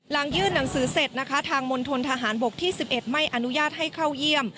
หลังยื่นหนังสือเสร็จนะคะทางมณฑนทหารบกที่๑๑ไม่อนุญาตให้เข้าเยี่ยม